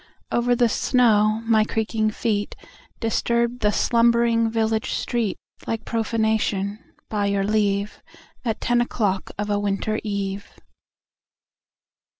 Over the snow my creaking feet Disturbed the slumbering village street Like profanation, by your leave, At ten o'clock of a winter eve.